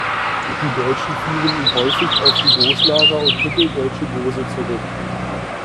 Die Deutschen führen ihn häufig auf die Goslarer und mitteldeutsche Gose zurück.